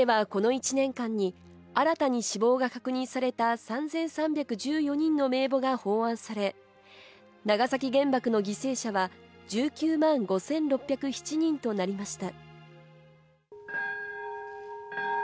式ではこの１年間に新たに死亡が確認された３３１４人の名簿が奉安され、長崎原爆の犠牲者は１９万５６０７人となりました。